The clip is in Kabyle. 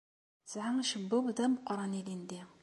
Tesɛa acebbub d ameqqṛan ilindi.